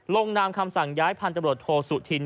ลงนามคำสั่งย้ายพันธบรวจโทสุธิน